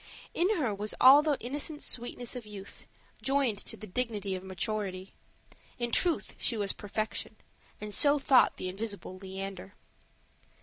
In her was all the innocent sweetness of youth, joined to the dignity of maturity; in truth, she was perfection; and so thought the invisible Leander.